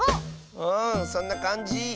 うんそんなかんじ！